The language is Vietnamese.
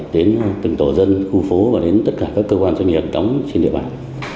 đến từng tổ dân khu phố và đến tất cả các cơ quan doanh nghiệp đóng trên địa bàn